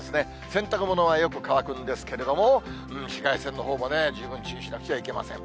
洗濯物はよく乾くんですけれども、紫外線のほうもね、十分注意しなくてはいけません。